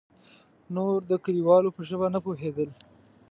نور د کليوالو په ژبه نه پوهېدل.